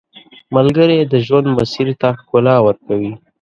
ملګری د ژوند مسیر ته ښکلا ورکوي